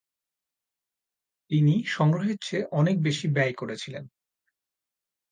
তিনি সংগ্রহের চেয়ে অনেক বেশি ব্যয় করেছিলেন।